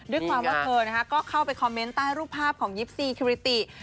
ด้วยความว่าเธอก็เข้าไปคอมเมนต์ใต้รูปภาพของยิปซีคิริติ